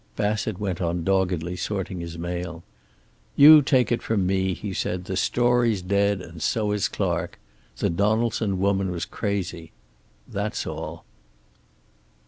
Bassett went on doggedly sorting his mail. "You take it from me," he said, "the story's dead, and so is Clark. The Donaldson woman was crazy. That's all."